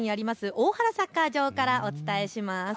大原サッカー場からお伝えします。